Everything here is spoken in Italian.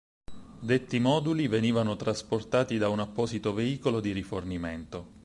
Detti moduli venivano trasportati da un apposito veicolo di rifornimento.